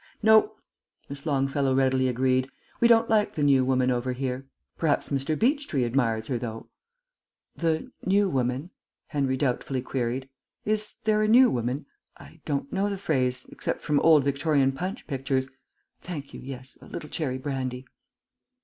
"No," Miss Longfellow readily agreed. "We don't like the New Woman over here. Perhaps Mr. Beechtree admires her though." "The New Woman?" Henry doubtfully queried. "Is there a new woman? I don't know the phrase, except from old Victorian Punch Pictures.... Thank you, yes; a little cherry brandy."